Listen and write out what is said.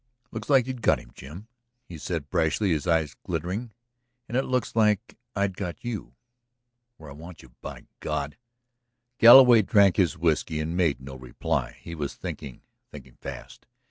"Looks like you'd got him, Jim," he said harshly, his eyes glittering. "And it looks like I'd got you. Where I want you, by God!" Galloway drank his whiskey and made no reply. He was thinking, thinking fast.